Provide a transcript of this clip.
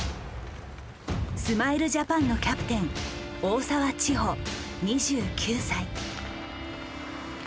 スマイルジャパンのキャプテン大澤ちほ２９歳。